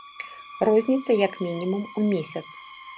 Розніца як мінімум у месяц!